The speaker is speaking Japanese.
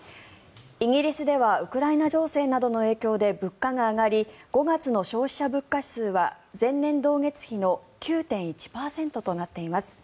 イギリスではウクライナ情勢などの影響で物価が上がり５月の消費者物価指数は前年同月比の９．１％となっています。